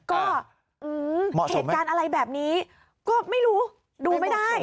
ก็เหตุการณ์อะไรแบบนี้ก็ไม่รู้ดูไม่ได้